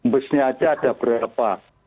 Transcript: busnya aja ada berapa